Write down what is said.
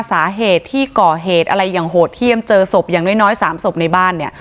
สาเหตุที่ก่อเหตุอะไรอย่างโหดเยี่ยมเจอศพอย่างน้อย๓ศพในบ้านเนี่ย